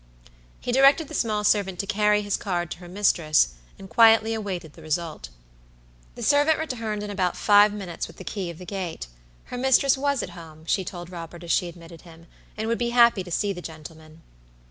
He directed the small servant to carry his card to her mistress, and quietly awaited the result. The servant returned in about five minutes with the key of the gate. Her mistress was at home, she told Robert as she admitted him, and would be happy to see the gentleman.